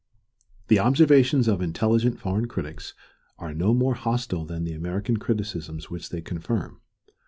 The observations of intelligent foreign critics are no more hostile than the American criticisms which they confirm.